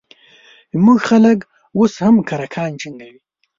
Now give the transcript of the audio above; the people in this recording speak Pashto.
زموږ خلک اوس هم کرکان جنګوي